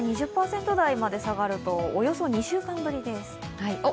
２０％台まで下がると、およそ２週間ぶりです。